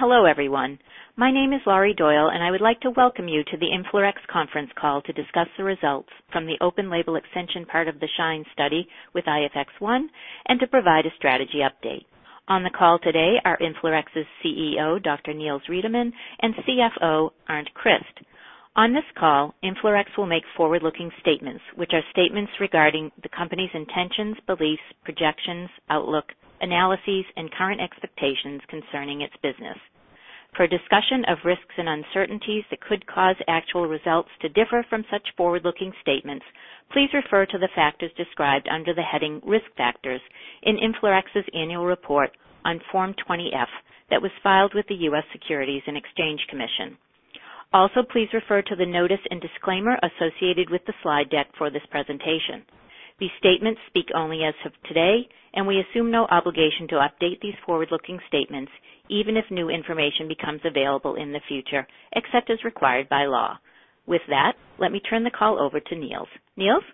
Hello everyone. My name is Laurie Doyle. I would like to welcome you to the InflaRx conference call to discuss the results from the open label extension part of the SHINE study with IFX-1, and to provide a strategy update. On the call today are InflaRx's CEO, Dr. Niels Riedemann, and CFO, Arnd Christ. On this call, InflaRx will make forward-looking statements, which are statements regarding the company's intentions, beliefs, projections, outlook, analyses, and current expectations concerning its business. For a discussion of risks and uncertainties that could cause actual results to differ from such forward-looking statements, please refer to the factors described under the heading Risk Factors in InflaRx's annual report on Form 20-F that was filed with the U.S. Securities and Exchange Commission. Please refer to the notice and disclaimer associated with the slide deck for this presentation. These statements speak only as of today, and we assume no obligation to update these forward-looking statements, even if new information becomes available in the future, except as required by law. With that, let me turn the call over to Niels. Niels?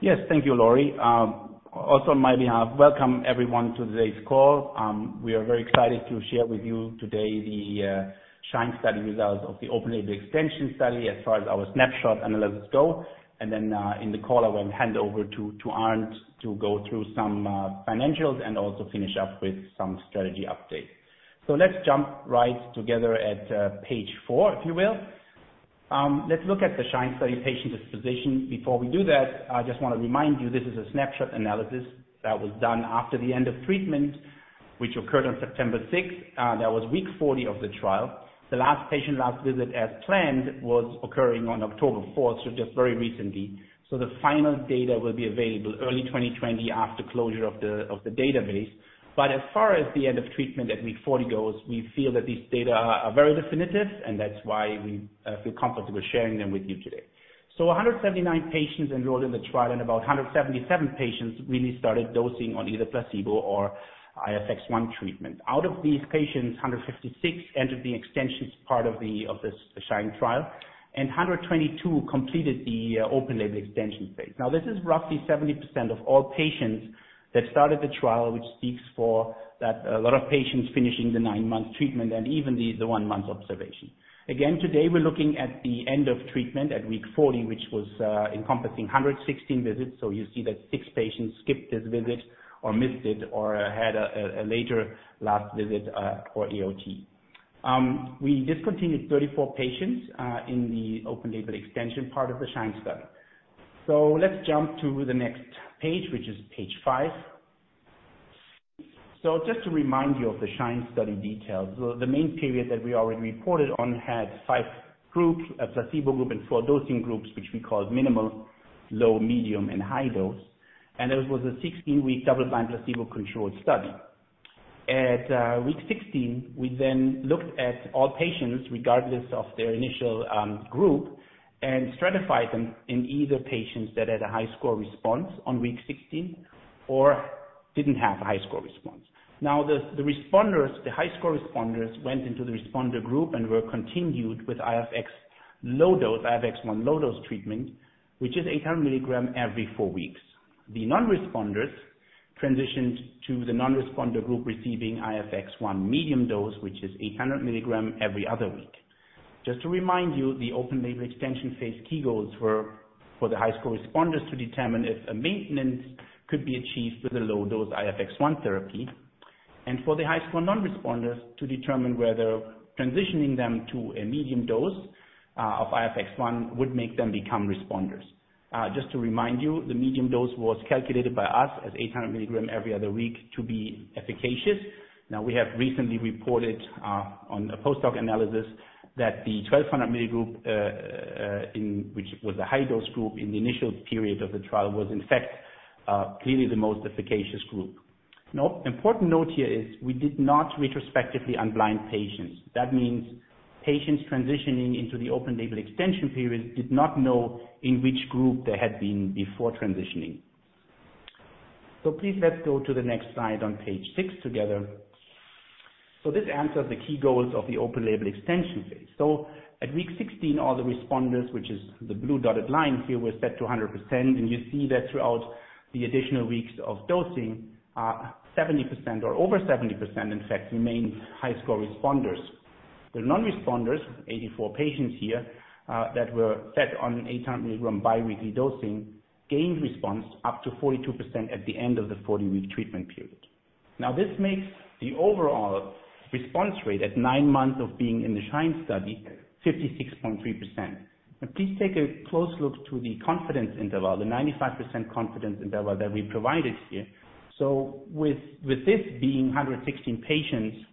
Yes, thank you, Laurie. Also on my behalf, welcome everyone to today's call. We are very excited to share with you today the, SHINE study results of the open-label extension study as far as our snapshot analysis go. In the call, I will hand over to Arnd to go through some financials and also finish up with some strategy updates. Let's jump right together at page four, if you will. Let's look at the SHINE study patient disposition. Before we do that, I just want to remind you, this is a snapshot analysis that was done after the end of treatment, which occurred on September 6th. That was week 40 of the trial. The last patient last visit as planned was occurring on October 4th, so just very recently. The final data will be available early 2020 after closure of the database. As far as the end of treatment at week 40 goes, we feel that these data are very definitive, and that's why we feel comfortable sharing them with you today. 179 patients enrolled in the trial, and about 177 patients really started dosing on either placebo or IFX-1 treatment. Out of these patients, 156 entered the extensions part of the SHINE trial, and 122 completed the open-label extension phase. This is roughly 70% of all patients that started the trial, which speaks for that a lot of patients finishing the nine-month treatment and even the one-month observation. Again, today we're looking at the end of treatment at week 40, which was encompassing 116 visits. You see that six patients skipped this visit or missed it or had a later last visit, for EOT. We discontinued 34 patients in the open label extension part of the SHINE study. Let's jump to the next page, which is page five. Just to remind you of the SHINE study details. The main period that we already reported on had five groups, a placebo group and four dosing groups, which we call minimal, low, medium, and high dose. It was a 16-week double-blind, placebo-controlled study. At week 16, we then looked at all patients, regardless of their initial group, and stratified them in either patients that had a HiSCR response on week 16 or didn't have a HiSCR response. The responders, the HiSCR responders, went into the responder group and were continued with IFX-1 low dose treatment, which is 800 milligram every four weeks. The non-responders transitioned to the non-responder group receiving IFX-1 medium dose, which is 800 mg every other week. Just to remind you, the open label extension phase key goals were for the HiSCR responders to determine if a maintenance could be achieved with a low-dose IFX-1 therapy, and for the HiSCR non-responders to determine whether transitioning them to a medium dose of IFX-1 would make them become responders. Just to remind you, the medium dose was calculated by us as 800 mg every other week to be efficacious. We have recently reported on a post-hoc analysis that the 1,200 mg group, which was a high-dose group in the initial period of the trial, was in fact clearly the most efficacious group. Important note here is we did not retrospectively unblind patients. That means patients transitioning into the open label extension period did not know in which group they had been before transitioning. Please let's go to the next slide on page six together. This answers the key goals of the open label extension phase. At week 16, all the responders, which is the blue dotted line here, were set to 100%, and you see that throughout the additional weeks of dosing, 70% or over 70%, in fact, remain HiSCR responders. The non-responders, 84 patients here, that were set on 800 mg biweekly dosing, gained response up to 42% at the end of the 40-week treatment period. This makes the overall response rate at nine months of being in the SHINE study 56.3%. Please take a close look to the confidence interval, the 95% confidence interval that we provided here. With this being 116 patients,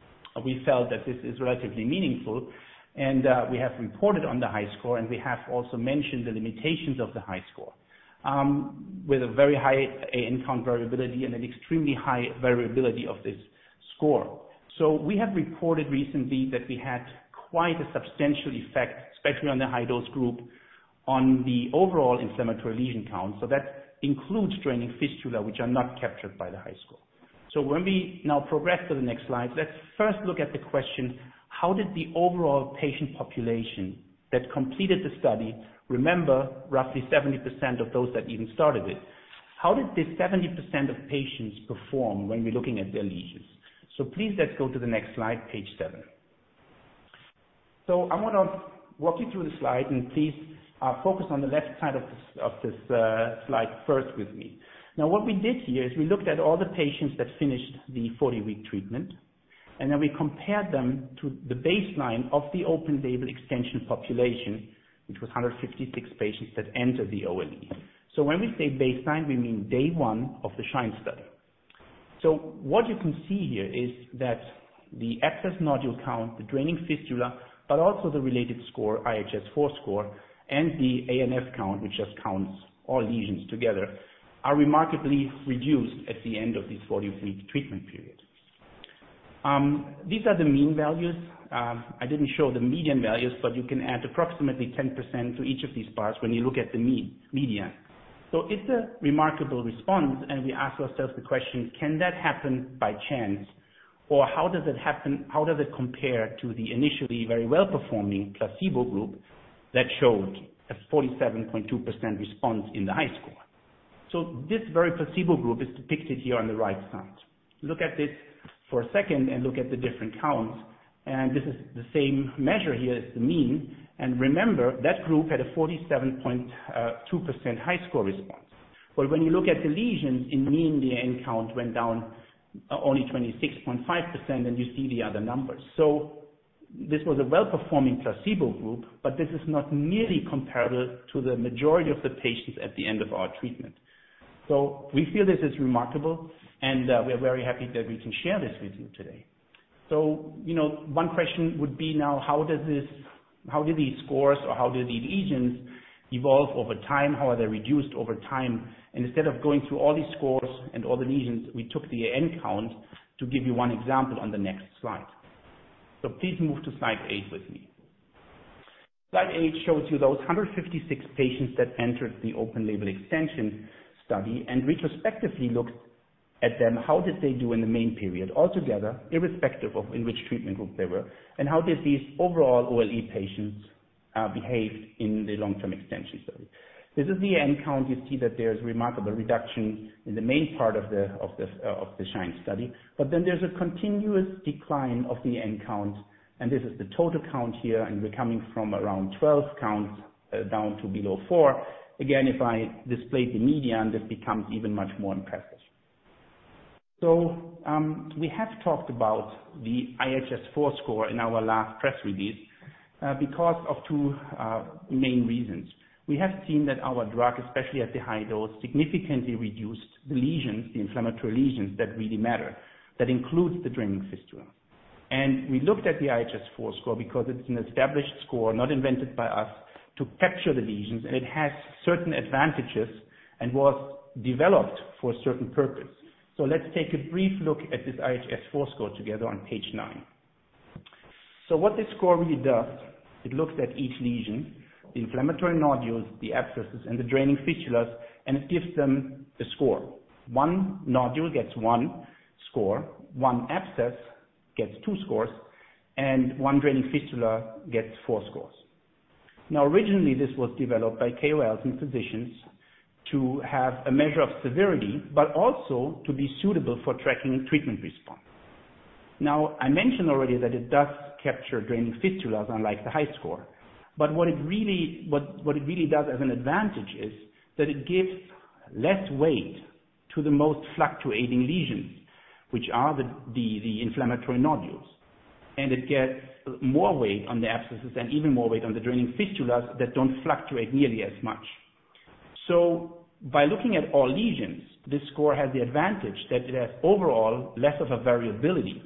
we felt that this is relatively meaningful and we have reported on the HiSCR and we have also mentioned the limitations of the HiSCR, with a very high AN count variability and an extremely high variability of this score. We have reported recently that we had quite a substantial effect, especially on the high-dose group, on the overall inflammatory lesion count. That includes draining fistula, which are not captured by the HiSCR. When we now progress to the next slide, let's first look at the question: How did the overall patient population that completed the study, remember, roughly 70% of those that even started it? How did the 70% of patients perform when we're looking at their lesions? Please let's go to the next slide, page seven. I want to walk you through the slide, and please focus on the left side of this slide first with me. What we did here is we looked at all the patients that finished the 40-week treatment, and then we compared them to the baseline of the open-label extension population, which was 156 patients that entered the OLE. When we say baseline, we mean day one of the SHINE study. What you can see here is that the abscess-nodule count, the draining fistula, but also the related score, IHS4 score, and the AN count, which just counts all lesions together, are remarkably reduced at the end of this 40-week treatment period. These are the mean values. I didn't show the median values, but you can add approximately 10% to each of these bars when you look at the median. It's a remarkable response, and we ask ourselves the question, "Can that happen by chance?" Or, "How does it compare to the initially very well-performing placebo group that showed a 47.2% response in the HiSCR score?" This very placebo group is depicted here on the right side. Look at this for a second and look at the different counts, and this is the same measure here as the mean, and remember, that group had a 47.2% HiSCR response. When you look at the lesions, in mean, the AN count went down only 26.5%, and you see the other numbers. This was a well-performing placebo group, but this is not nearly comparable to the majority of the patients at the end of our treatment. We feel this is remarkable, and we are very happy that we can share this with you today. One question would be now, how do these scores or how do these lesions evolve over time? How are they reduced over time? Instead of going through all these scores and all the lesions, we took the AN count to give you one example on the next slide. Please move to slide eight with me. Slide eight shows you those 156 patients that entered the open-label extension study and retrospectively looked at them. How did they do in the main period, altogether, irrespective of in which treatment group they were, and how did these overall OLE patients behave in the long-term extension study? This is the AN count. You see that there is remarkable reduction in the main part of the SHINE study, there's a continuous decline of the AN count, and this is the total count here, we're coming from around 12 counts down to below four. Again, if I displayed the median, this becomes even much more impressive. We have talked about the IHS4 score in our last press release because of two main reasons. We have seen that our drug, especially at the high dose, significantly reduced the lesions, the inflammatory lesions that really matter. That includes the draining fistula. We looked at the IHS4 score because it's an established score, not invented by us, to capture the lesions, it has certain advantages and was developed for a certain purpose. Let's take a brief look at this IHS4 score together on page nine. What this score really does, it looks at each lesion, the inflammatory nodules, the abscesses, and the draining fistulas, and it gives them the score. One nodule gets one score, one abscess gets two scores, and one draining fistula gets four scores. Originally, this was developed by KOLs and physicians to have a measure of severity, but also to be suitable for tracking treatment response. I mentioned already that it does capture draining fistulas, unlike the HiSCR. What it really does as an advantage is that it gives less weight to the most fluctuating lesions, which are the inflammatory nodules. It gets more weight on the abscesses and even more weight on the draining fistulas that don't fluctuate nearly as much. By looking at all lesions, this score has the advantage that it has overall less of a variability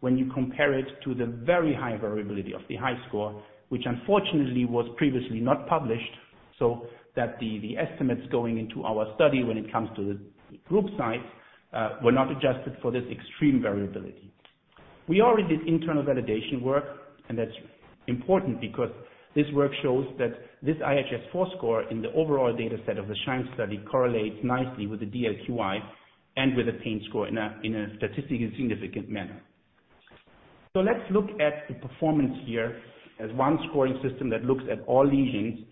when you compare it to the very high variability of the HiSCR, which unfortunately was previously not published, so that the estimates going into our study when it comes to the group size were not adjusted for this extreme variability. We already did internal validation work, and that's important because this work shows that this IHS4 score in the overall data set of the SHINE study correlates nicely with the DLQI and with a pain score in a statistically significant manner. Let's look at the performance here as one scoring system that looks at all lesions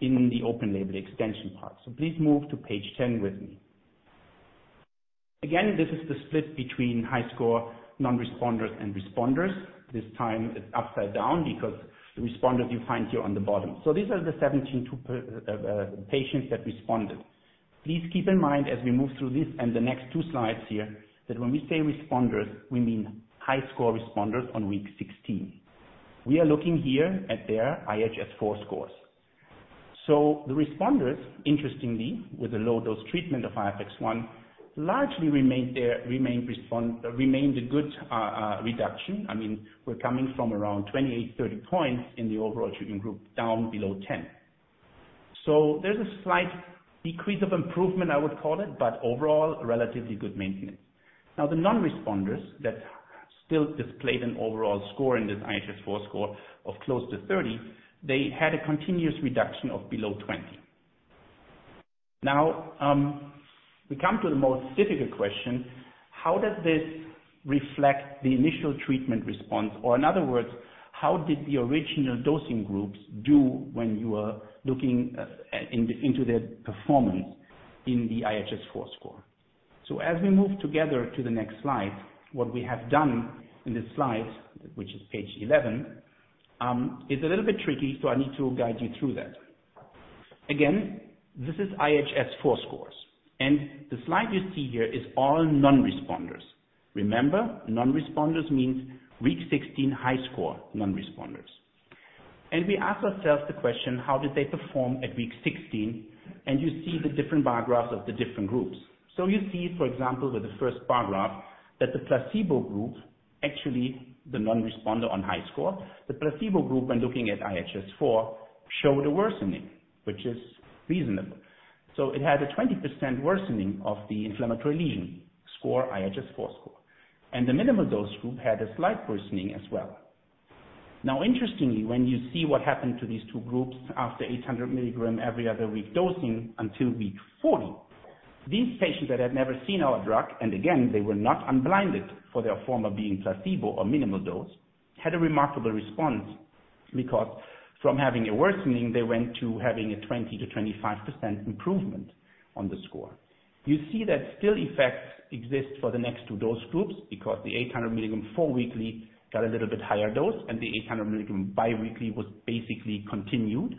in the open-label extension part. Please move to page 10 with me. Again, this is the split between HiSCR non-responders and responders. This time it's upside down because the responders you find here on the bottom. These are the 72 patients that responded. Please keep in mind as we move through this and the next two slides here, that when we say responders, we mean HiSCR responders on week 16. We are looking here at their IHS4 scores. The responders, interestingly, with the low-dose treatment of IFX-1, largely remained a good reduction. We're coming from around 28, 30 points in the overall treatment group, down below 10. There's a slight decrease of improvement, I would call it, but overall, relatively good maintenance. The non-responders that still displayed an overall score in this IHS4 score of close to 30, they had a continuous reduction of below 20. We come to the most difficult question. How does this reflect the initial treatment response? In other words, how did the original dosing groups do when you are looking into their performance in the IHS4 score? As we move together to the next slide, what we have done in this slide, which is page 11, is a little bit tricky, so I need to guide you through that. Again, this is IHS4 scores, and the slide you see here is all non-responders. Remember, non-responders means week 16 high score non-responders. We ask ourselves the question, how did they perform at week 16? You see the different bar graphs of the different groups. You see, for example, with the first bar graph, that the placebo group, actually the non-responder on high score, the placebo group, when looking at IHS4, showed a worsening, which is reasonable. It had a 20% worsening of the inflammatory lesion score, IHS4 score. The minimal dose group had a slight worsening as well. Interestingly, when you see what happened to these two groups after 800 mg every other week dosing until week 40, these patients that had never seen our drug, and again, they were not unblinded for their former being placebo or minimal dose, had a remarkable response because from having a worsening, they went to having a 20%-25% improvement on the score. You see that still effects exist for the next two dose groups because the 800 mg four-weekly got a little bit higher dose, and the 800 mg bi-weekly was basically continued.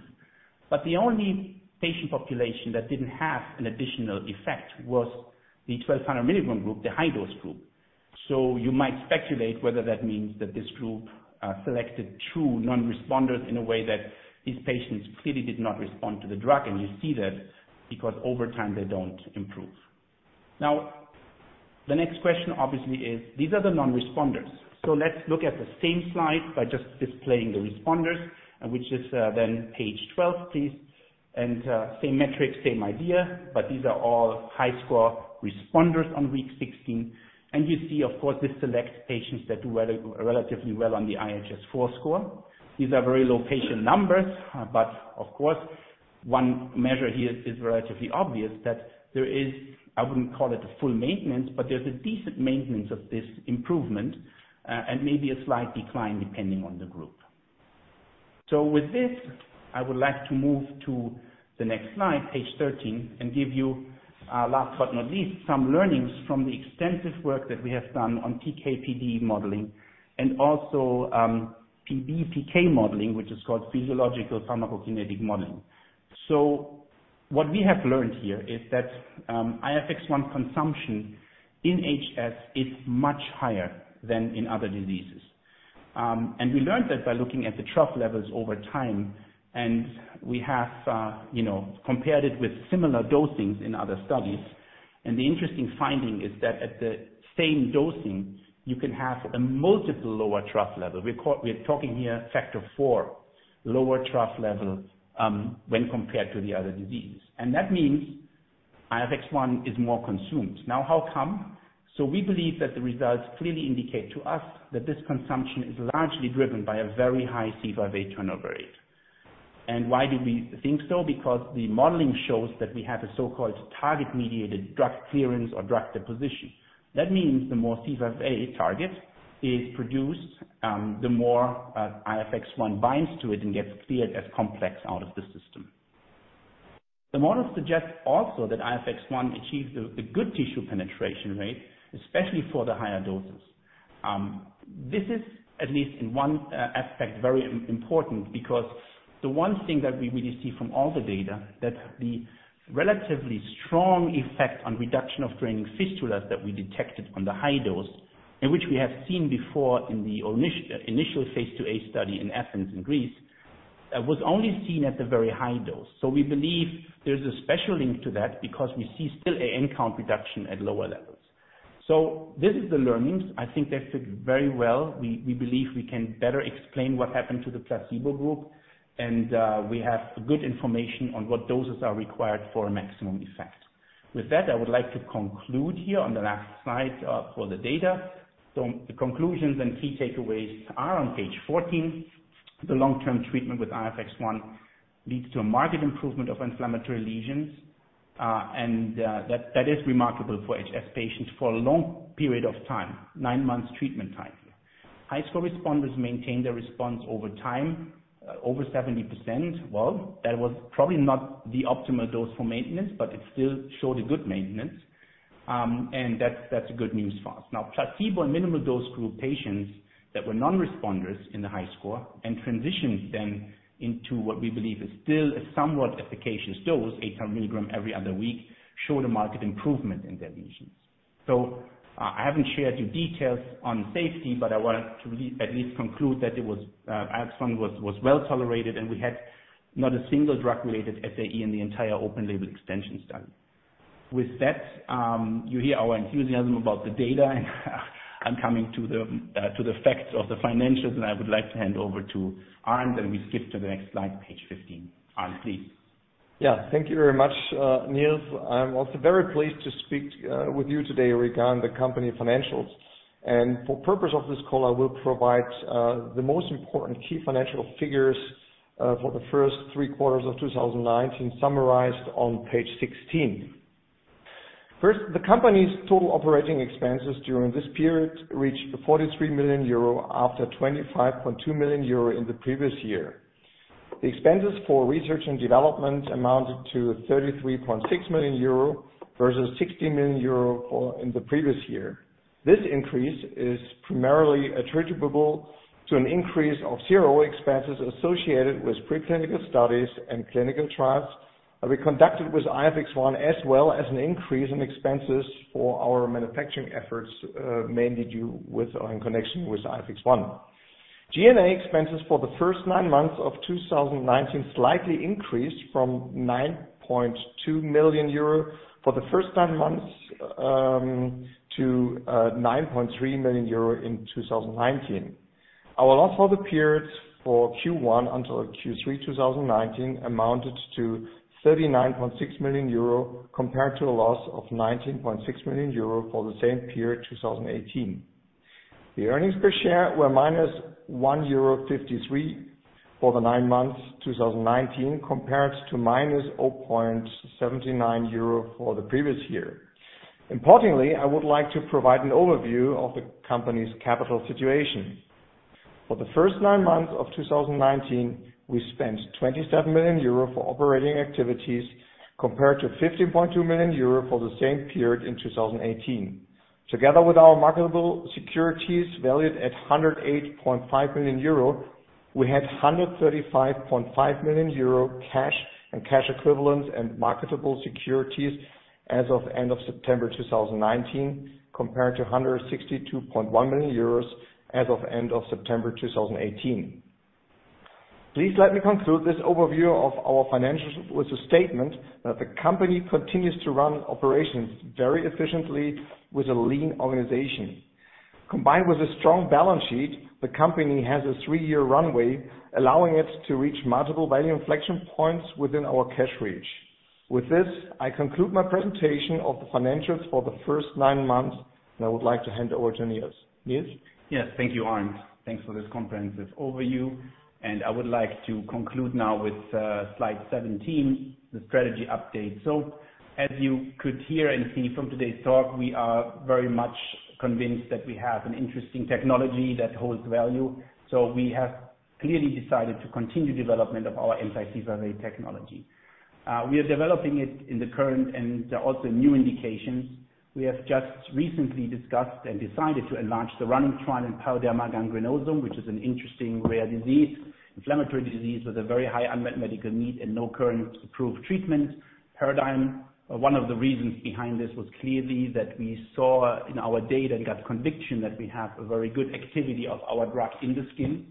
The only patient population that didn't have an additional effect was the 1,200 mg group, the high-dose group. You might speculate whether that means that this group selected true non-responders in a way that these patients clearly did not respond to the drug, and you see that because over time, they don't improve. The next question obviously is, these are the non-responders. Let's look at the same slide by just displaying the responders, which is then page 12, please. Same metrics, same idea, but these are all high score responders on week 16. You see, of course, this selects patients that do relatively well on the IHS4 score. These are very low patient numbers, but of course, one measure here is relatively obvious that there is, I wouldn't call it a full maintenance, but there's a decent maintenance of this improvement, and maybe a slight decline depending on the group. With this, I would like to move to the next slide, page 13, and give you, last but not least, some learnings from the extensive work that we have done on PK/PD modeling and also PBPK modeling, which is called physiological pharmacokinetic modeling. What we have learned here is that IFX-1 consumption in HS is much higher than in other diseases. We learned that by looking at the trough levels over time, and we have compared it with similar dosings in other studies. The interesting finding is that at the same dosing, you can have a multiple lower trough level. We're talking here factor four lower trough level when compared to the other disease. That means IFX-1 is more consumed. Now, how come? We believe that the results clearly indicate to us that this consumption is largely driven by a very high C5a turnover rate. Why do we think so? Because the modeling shows that we have a so-called target-mediated drug clearance or drug deposition. That means the more C5a target is produced, the more IFX-1 binds to it and gets cleared as complex out of the system. The model suggests also that IFX-1 achieves a good tissue penetration rate, especially for the higher doses. This is, at least in one aspect, very important because the one thing that we really see from all the data, that the relatively strong effect on reduction of draining fistulas that we detected on the high dose, and which we have seen before in the initial phase II-A study in Athens in Greece, was only seen at the very high dose. We believe there's a special link to that because we see still an AN count reduction at lower levels. This is the learnings. I think they fit very well. We believe we can better explain what happened to the placebo group, and we have good information on what doses are required for a maximum effect. With that, I would like to conclude here on the last slide for the data. The conclusions and key takeaways are on page 14. The long-term treatment with IFX-1 leads to a marked improvement of inflammatory lesions, and that is remarkable for HS patients for a long period of time, nine months treatment time. HiSCR responders maintained their response over time, over 70%. Well, that was probably not the optimal dose for maintenance, but it still showed a good maintenance. That's good news for us. Placebo and minimal dose group patients that were non-responders in the HiSCR and transitioned then into what we believe is still a somewhat efficacious dose, 800 milligrams every other week, showed a marked improvement in their lesions. I haven't shared you details on safety, but I want to at least conclude that IFX-1 was well-tolerated, and we had not a single drug-related SAE in the entire open-label extension study. With that, you hear our enthusiasm about the data, and I'm coming to the facts of the financials, and I would like to hand over to Arnd, and we skip to the next slide, page 15. Arnd, please. Yeah. Thank you very much, Niels. I'm also very pleased to speak with you today regarding the company financials. For purpose of this call, I will provide the most important key financial figures for the first three quarters of 2019 summarized on page 16. First, the company's total operating expenses during this period reached 43 million euro after 25.2 million euro in the previous year. The expenses for research and development amounted to 33.6 million euro versus 16 million euro in the previous year. This increase is primarily attributable to an increase of CRO expenses associated with preclinical studies and clinical trials that we conducted with IFX-1, as well as an increase in expenses for our manufacturing efforts, mainly due in connection with IFX-1. G&A expenses for the first nine months of 2019 slightly increased from 9.2 million euro for the first nine months to 9.3 million euro in 2019. Our loss for the periods for Q1 until Q3 2019 amounted to 39.6 million euro compared to a loss of 19.6 million euro for the same period 2018. The earnings per share were minus 1.53 euro for the nine months 2019, compared to minus 0.79 euro for the previous year. Importantly, I would like to provide an overview of the company's capital situation. For the first nine months of 2019, we spent 27 million euro for operating activities, compared to 15.2 million euro for the same period in 2018. Together with our marketable securities valued at 108.5 million euro, we had 135.5 million euro cash and cash equivalents and marketable securities as of end of September 2019, compared to 162.1 million euros as of end of September 2018. Please let me conclude this overview of our financials with a statement that the company continues to run operations very efficiently with a lean organization. Combined with a strong balance sheet, the company has a three-year runway allowing it to reach multiple value inflection points within our cash reach. With this, I conclude my presentation of the financials for the first nine months, and I would like to hand over to Niels. Niels? Yes. Thank you, Arnd. Thanks for this comprehensive overview. I would like to conclude now with slide 17, the strategy update. As you could hear and see from today's talk, we are very much convinced that we have an interesting technology that holds value. We have clearly decided to continue development of our anti-C5a technology. We are developing it in the current and also new indications. We have just recently discussed and decided to enlarge the running trial in pyoderma gangrenosum, which is an interesting rare inflammatory disease with a very high unmet medical need and no current approved treatment paradigm. One of the reasons behind this was clearly that we saw in our data and got conviction that we have a very good activity of our drug in the skin.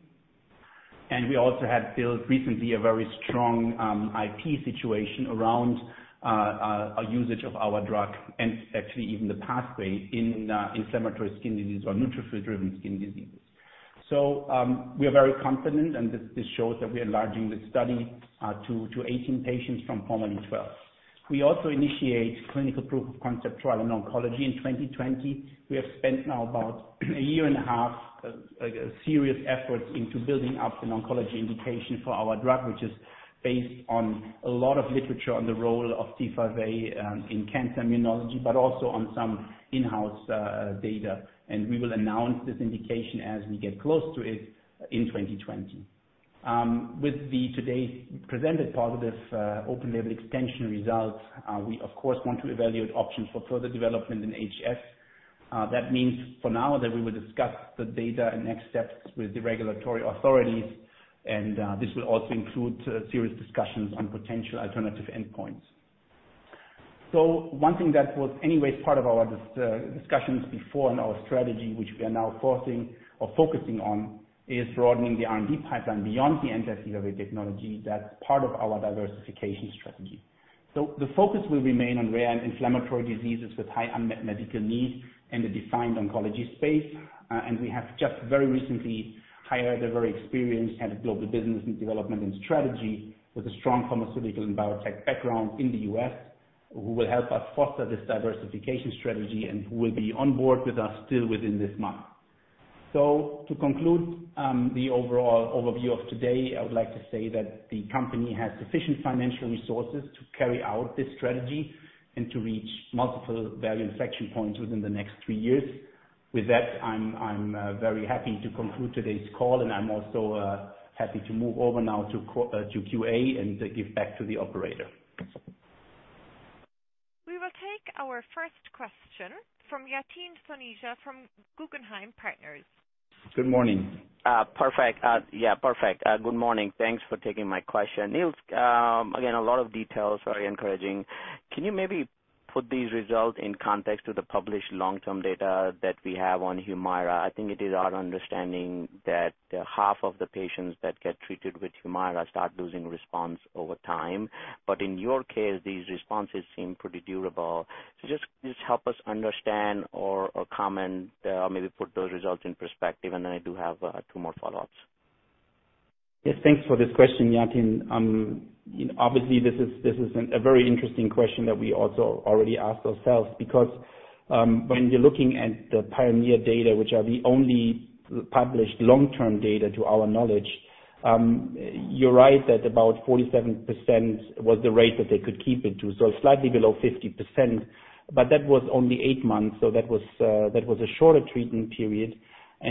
We also had built recently a very strong IP situation around a usage of our drug and actually even the pathway in inflammatory skin disease or neutrophil-driven skin diseases. We are very confident, and this shows that we are enlarging the study to 18 patients from formerly 12. We also initiate clinical proof of concept trial in oncology in 2020. We have spent now about a year and a half serious efforts into building up an oncology indication for our drug, which is based on a lot of literature on the role of C5a in cancer immunology, but also on some in-house data. We will announce this indication as we get close to it in 2020. With the today's presented positive open-label extension results, we of course, want to evaluate options for further development in HS. That means for now that we will discuss the data and next steps with the regulatory authorities, and this will also include serious discussions on potential alternative endpoints. One thing that was anyway part of our discussions before and our strategy, which we are now focusing on is broadening the R&D pipeline beyond the anti-C5a technology that is part of our diversification strategy. The focus will remain on rare inflammatory diseases with high unmet medical needs in the defined oncology space. We have just very recently hired a very experienced head of global business in development and strategy with a strong pharmaceutical and biotech background in the U.S. who will help us foster this diversification strategy and who will be on board with us still within this month. To conclude the overall overview of today, I would like to say that the company has sufficient financial resources to carry out this strategy and to reach multiple value inflection points within the next three years. With that, I'm very happy to conclude today's call and I'm also happy to move over now to QA and give back to the operator. We will take our first question from Yatin Suneja from Guggenheim Securities. Good morning. Perfect. Good morning. Thanks for taking my question. Niels, again, a lot of details, very encouraging. Can you maybe put these results in context to the published long-term data that we have on HUMIRA? I think it is our understanding that half of the patients that get treated with HUMIRA start losing response over time. In your case, these responses seem pretty durable. Just help us understand or comment or maybe put those results in perspective. I do have two more follow-ups. Yes, thanks for this question, Yatin. Obviously, this is a very interesting question that we also already asked ourselves because when you're looking at the PIONEER data, which are the only published long-term data to our knowledge, you're right that about 47% was the rate that they could keep it to, so slightly below 50%, but that was only eight months, so that was a shorter treatment period.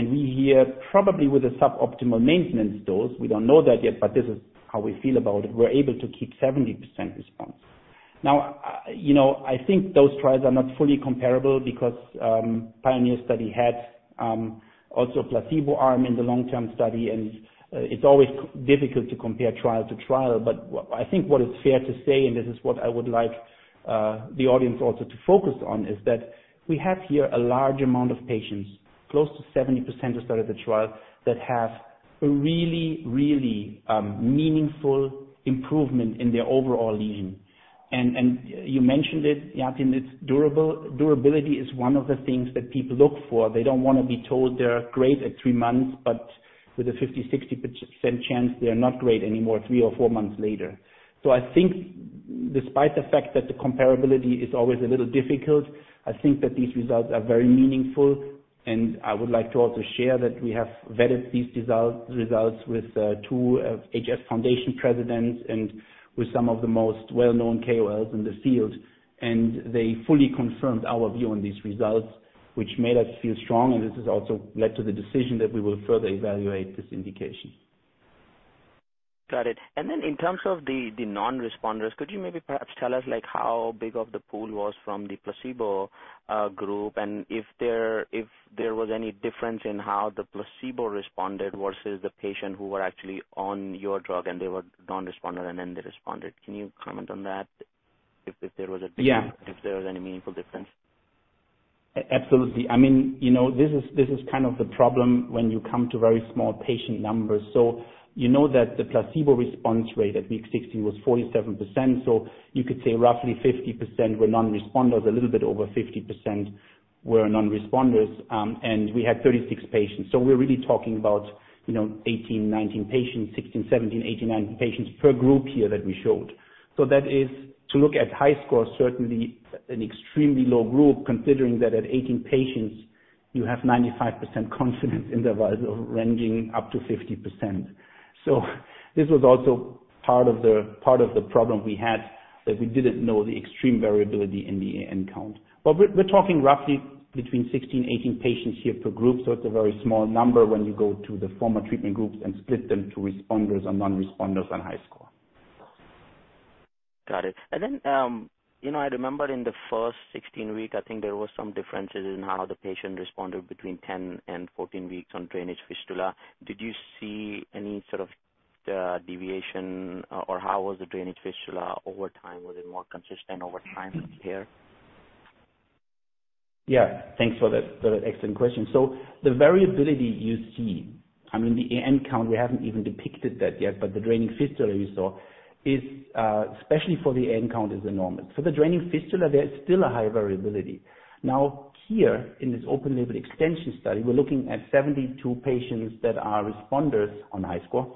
We hear probably with a suboptimal maintenance dose, we don't know that yet, but this is how we feel about it, we're able to keep 70% response. I think those trials are not fully comparable because PIONEER study had also placebo arm in the long-term study, and it's always difficult to compare trial to trial. I think what is fair to say, and this is what I would like the audience also to focus on, is that we have here a large amount of patients, close to 70% who started the trial, that have a really meaningful improvement in their overall lesion. You mentioned it, Yatin, durability is one of the things that people look for. They don't want to be told they're great at three months, but with a 50%-60% chance, they're not great anymore three or four months later. I think despite the fact that the comparability is always a little difficult, I think that these results are very meaningful, and I would like to also share that we have vetted these results with two HS Foundation presidents and with some of the most well-known KOLs in the field, and they fully confirmed our view on these results, which made us feel strong, and this has also led to the decision that we will further evaluate this indication. Got it. In terms of the non-responders, could you maybe perhaps tell us how big of the pool was from the placebo group and if there was any difference in how the placebo responded versus the patient who were actually on your drug and they were non-responder and then they responded? Can you comment on that? Yeah If there was any meaningful difference. Absolutely. This is kind of the problem when you come to very small patient numbers. You know that the placebo response rate at week 16 was 47%, you could say roughly 50% were non-responders, a little bit over 50% were non-responders, and we had 36 patients. We're really talking about 18, 19 patients, 16, 17, 18, 19 patients per group here that we showed. That is to look at HiSCR, certainly an extremely low group considering that at 18 patients you have 95% confidence interval ranging up to 50%. This was also part of the problem we had, that we didn't know the extreme variability in the AN count. We're talking roughly between 16, 18 patients here per group, it's a very small number when you go to the former treatment groups and split them to responders and non-responders on HiSCR. Got it. I remember in the first 16-week, I think there was some differences in how the patient responded between 10 and 14 weeks on drainage fistula. Did you see any sort of deviation or how was the drainage fistula over time? Was it more consistent over time here? Thanks for that excellent question. The variability you see, the AN count, we haven't even depicted that yet, but the draining fistula you saw is, especially for the AN count, is enormous. For the draining fistula, there is still a high variability. Here in this open label extension study, we're looking at 72 patients that are responders on HiSCR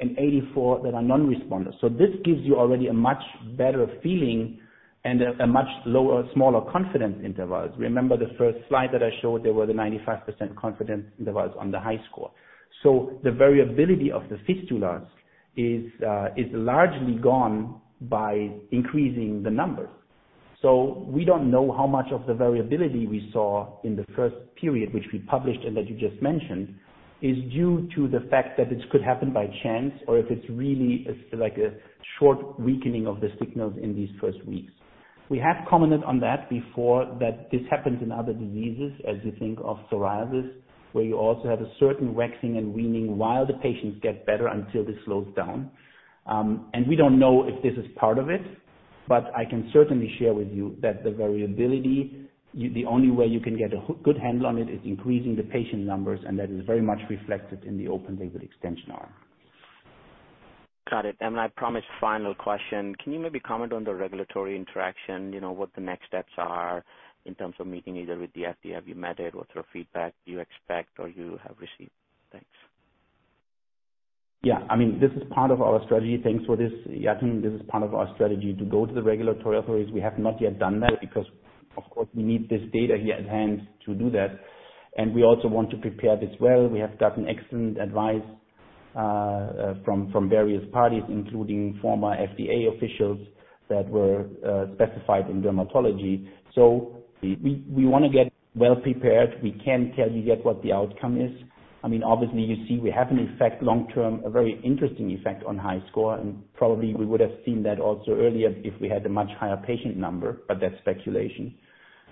and 84 that are non-responders. This gives you already a much better feeling and a much lower, smaller confidence interval. Remember the first slide that I showed, there were the 95% confidence intervals on the HiSCR. The variability of the fistulas is largely gone by increasing the numbers. We don't know how much of the variability we saw in the first period, which we published and that you just mentioned, is due to the fact that this could happen by chance, or if it's really like a short weakening of the signals in these first weeks. We have commented on that before, that this happens in other diseases as you think of psoriasis, where you also have a certain waxing and waning while the patients get better until this slows down. We don't know if this is part of it, but I can certainly share with you that the variability, the only way you can get a good handle on it is increasing the patient numbers, and that is very much reflected in the open label extension arm. Got it. I promise, final question. Can you maybe comment on the regulatory interaction, what the next steps are in terms of meeting either with the FDA, have you met it? What sort of feedback do you expect or you have received? Thanks. Yeah. This is part of our strategy. Thanks for this, Yatin. This is part of our strategy to go to the regulatory authorities. We have not yet done that because, of course, we need this data here at hand to do that, and we also want to prepare this well. We have gotten excellent advice from various parties, including former FDA officials that were specified in dermatology. We want to get well prepared. We can't tell you yet what the outcome is. Obviously, you see we have an effect long-term, a very interesting effect on HiSCR, and probably we would have seen that also earlier if we had a much higher patient number. That's speculation.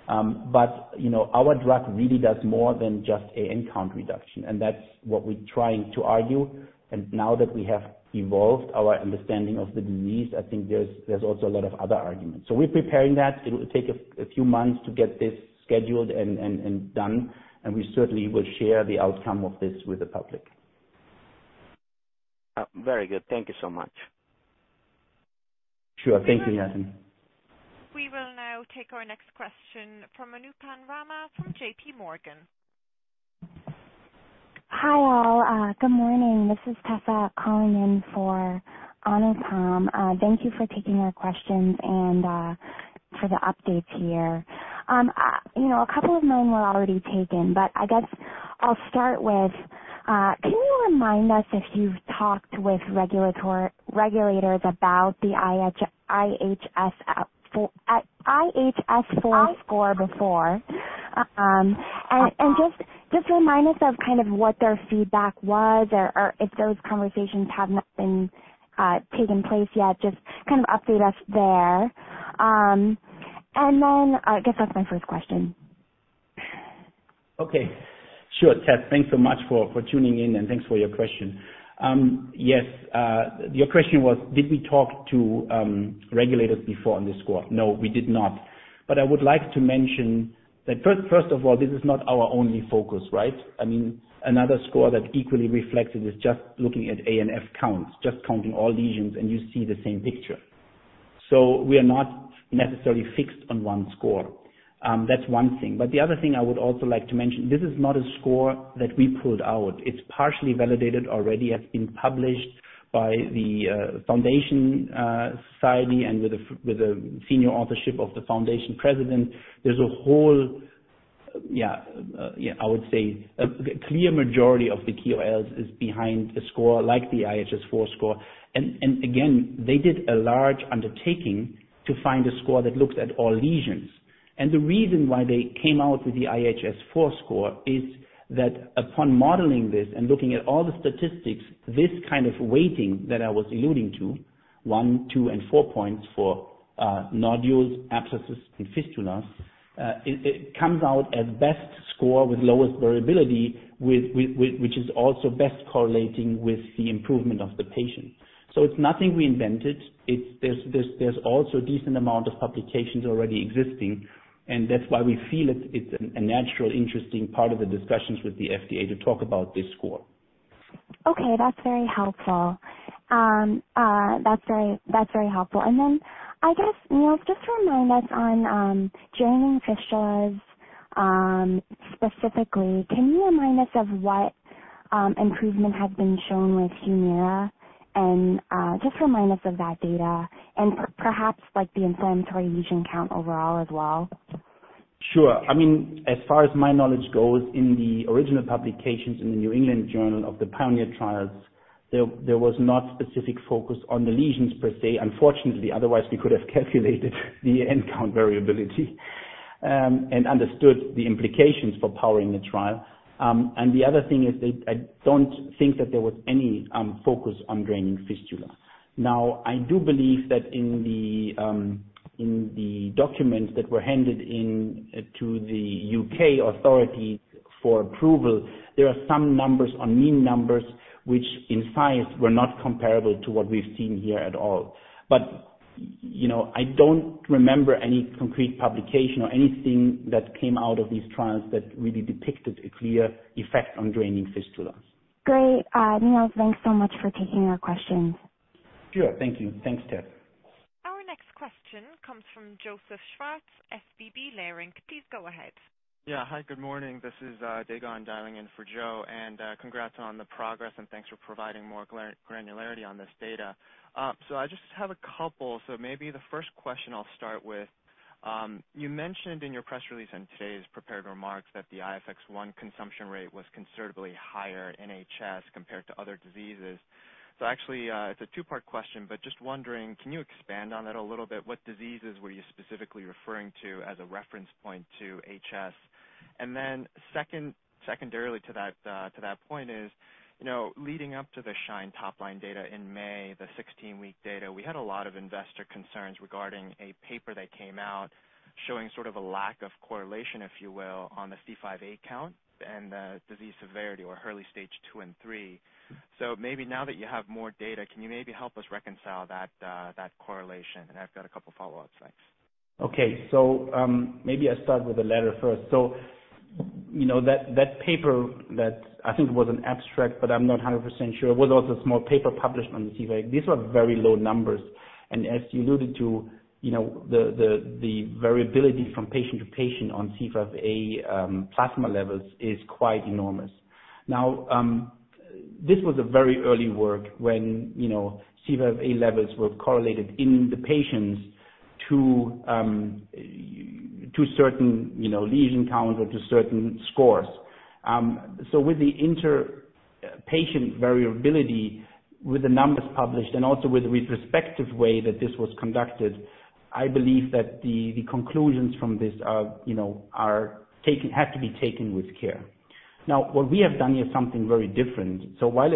Our drug really does more than just AN count reduction, and that's what we're trying to argue. Now that we have evolved our understanding of the disease, I think there's also a lot of other arguments. We're preparing that. It will take a few months to get this scheduled and done, and we certainly will share the outcome of this with the public. Very good. Thank you so much. Sure. Thank you, Yatin. We will now take our next question from Anupam Rama, from JPMorgan. Hi all. Good morning. This is Tessa calling in for Ana. Thank you for taking our questions and for the updates here. A couple of mine were already taken. I guess I'll start with, can you remind us if you've talked with regulators about the IHS4 score before? Just remind us of kind of what their feedback was or if those conversations have not been taken place yet, just kind of update us there. I guess that's my first question. Okay. Sure, Tessa. Thanks so much for tuning in and thanks for your question. Yes, your question was, did we talk to regulators before on this score? No, we did not. I would like to mention that first of all, this is not our only focus, right? I mean another score that equally reflected is just looking at AN counts, just counting all lesions, and you see the same picture. We are not necessarily fixed on one score. That's one thing, the other thing I would also like to mention, this is not a score that we pulled out. It's partially validated already, has been published by the HS Foundation and with the senior authorship of the foundation president. There's a whole, I would say, a clear majority of the KOLs is behind a score like the IHS4 score. Again, they did a large undertaking to find a score that looks at all lesions. The reason why they came out with the IHS4 score is that upon modeling this and looking at all the statistics, this kind of weighting that I was alluding to, one, two, and four points for nodules, abscesses, and fistulas, it comes out as best score with lowest variability, which is also best correlating with the improvement of the patient. It's nothing we invented. There's also a decent amount of publications already existing, and that's why we feel it's a naturally interesting part of the discussions with the FDA to talk about this score. Okay, that's very helpful. I guess, just to remind us on draining fistulas, specifically, can you remind us of what improvement has been shown with HUMIRA? Just remind us of that data and perhaps like the inflammatory lesion count overall as well. Sure. I mean, as far as my knowledge goes, in the original publications in the New England Journal of the PIONEER trials, there was not specific focus on the lesions per se. Unfortunately, otherwise, we could have calculated the AN count variability and understood the implications for powering the trial. The other thing is, I don't think that there was any focus on draining fistula. Now, I do believe that in the documents that were handed in to the U.K. authority for approval, there are some numbers on mean numbers which in size were not comparable to what we've seen here at all. I don't remember any concrete publication or anything that came out of these trials that really depicted a clear effect on draining fistulas. Great. Thanks so much for taking our questions. Sure. Thank you. Thanks, Tessa. Our next question comes from Joe Schwartz, SVB Leerink. Please go ahead. Hi, good morning. This is Dae Gon dialing in for Joe. Congrats on the progress and thanks for providing more granularity on this data. I just have a couple. Maybe the first question I'll start with, you mentioned in your press release and today's prepared remarks that the IFX-1 consumption rate was considerably higher in HS compared to other diseases. Actually, it's a two-part question, but just wondering, can you expand on that a little bit? What diseases were you specifically referring to as a reference point to HS? Secondarily to that point is, leading up to the SHINE top line data in May, the 16-week data, we had a lot of investor concerns regarding a paper that came out showing sort of a lack of correlation, if you will, on the C5a count and the disease severity or early stage two and three. Maybe now that you have more data, can you maybe help us reconcile that correlation? I've got a couple follow-ups. Thanks. Okay. Maybe I start with the latter first. That paper that I think was an abstract, but I'm not 100% sure, was also a small paper published on C5a. These were very low numbers, and as you alluded to, the variability from patient to patient on C5a plasma levels is quite enormous. This was a very early work when C5a levels were correlated in the patients to certain lesion counts or to certain scores. With the inter-patient variability, with the numbers published and also with the retrospective way that this was conducted, I believe that the conclusions from this have to be taken with care. What we have done here is something very different. While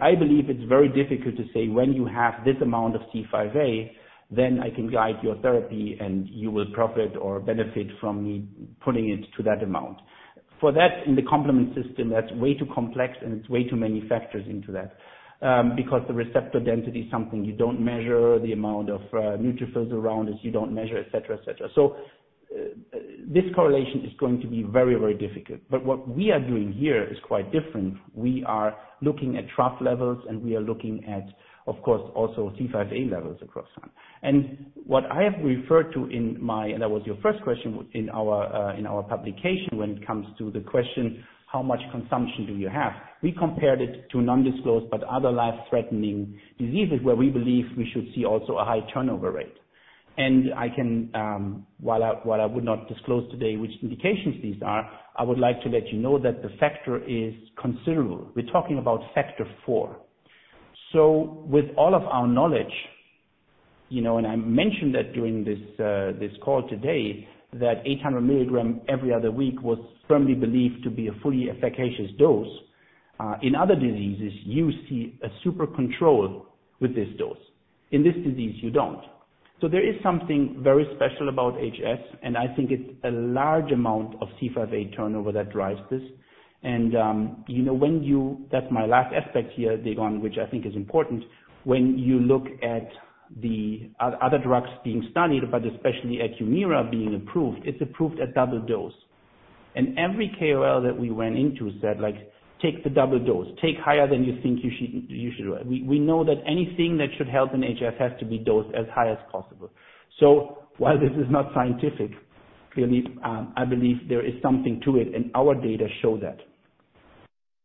I believe it's very difficult to say when you have this amount of C5a, then I can guide your therapy and you will profit or benefit from me putting it to that amount. In the complement system, that's way too complex and it's way too many factors into that. The receptor density is something you don't measure, the amount of neutrophils around is you don't measure, et cetera. This correlation is going to be very, very difficult. What we are doing here is quite different. We are looking at trough levels, and we are looking at, of course, also C5a levels across time. What I have referred to, and that was your first question, in our publication when it comes to the question, how much consumption do you have? We compared it to non-disclosed, but other life-threatening diseases where we believe we should see also a high turnover rate. While I would not disclose today which indications these are, I would like to let you know that the factor is considerable. We're talking about factor four. With all of our knowledge, and I mentioned that during this call today, that 800 milligram every other week was firmly believed to be a fully efficacious dose. In other diseases, you see a super control with this dose. In this disease, you don't. There is something very special about HS, and I think it's a large amount of C5a turnover that drives this. That's my last aspect here, Dae Gon, which I think is important. When you look at the other drugs being studied, but especially HUMIRA being approved, it's approved at double dose. Every KOL that we went into said, "Take the double dose, take higher than you think you should." We know that anything that should help in HS has to be dosed as high as possible. While this is not scientific, clearly, I believe there is something to it, and our data show that.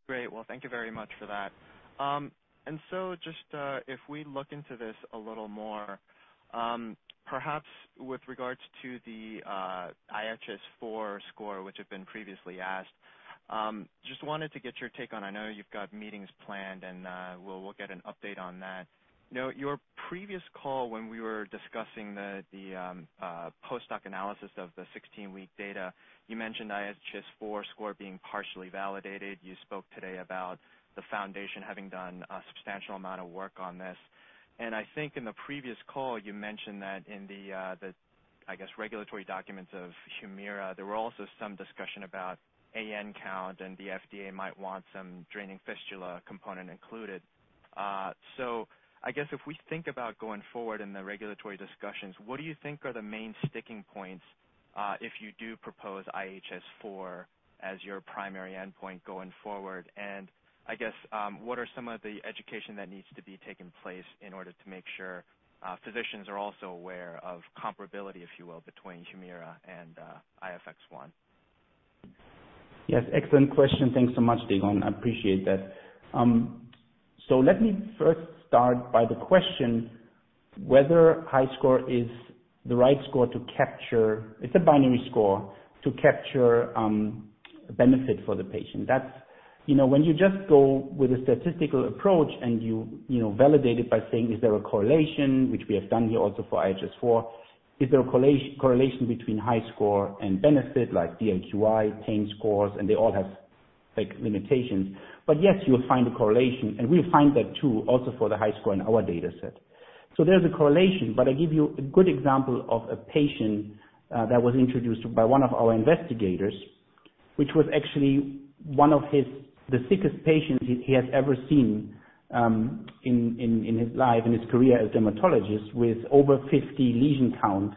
Great. Well, thank you very much for that. Just if we look into this a little more, perhaps with regards to the IHS4 score, which had been previously asked, just wanted to get your take on, I know you've got meetings planned and we'll get an update on that. Your previous call, when we were discussing the post-hoc analysis of the 16-week data, you mentioned IHS4 score being partially validated. You spoke today about the foundation having done a substantial amount of work on this. I think in the previous call, you mentioned that in the, I guess, regulatory documents of HUMIRA, there were also some discussion about AN count and the FDA might want some draining fistula component included. I guess if we think about going forward in the regulatory discussions, what do you think are the main sticking points if you do propose IHS4 as your primary endpoint going forward? I guess, what are some of the education that needs to be taking place in order to make sure physicians are also aware of comparability, if you will, between HUMIRA and IFX-1? Yes, excellent question. Thanks so much, Dae Gon. I appreciate that. Let me first start by the question whether HiSCR is the right score to capture, it's a binary score, to capture benefit for the patient. When you just go with a statistical approach and you validate it by saying, is there a correlation, which we have done here also for IHS4, is there a correlation between HiSCR and benefit like DLQI, AN count, and they all have limitations. Yes, you'll find a correlation, and we find that, too, also for the HiSCR in our data set. There's a correlation, but I give you a good example of a patient that was introduced by one of our investigators, which was actually one of the sickest patients he has ever seen in his life, in his career as dermatologist, with over 50 lesion count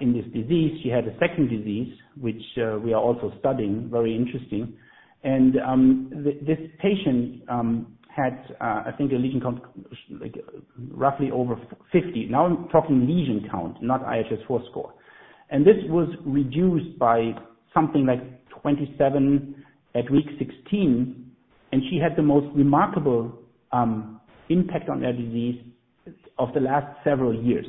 in this disease. She had a second disease, which we are also studying, very interesting. This patient had, I think, a lesion count, roughly over 50. I'm talking lesion count, not IHS4 score. This was reduced by something like 27 at week 16, and she had the most remarkable impact on her disease of the last several years.